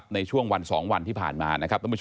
ในช่วงวัน๒วันที่ผ่านมา